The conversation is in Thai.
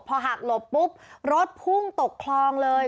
พอหักหลบปุ๊บรถพุ่งตกคลองเลย